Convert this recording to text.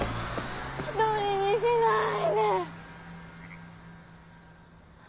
１人にしないで。